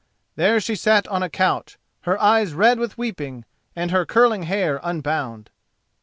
There she sat on a couch, her eyes red with weeping, and her curling hair unbound.